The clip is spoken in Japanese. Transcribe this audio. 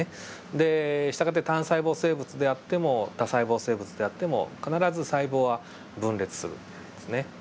で従って単細胞生物であっても多細胞生物であっても必ず細胞は分裂するんですね。